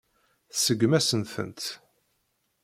Tseggmeḍ-asen-tent.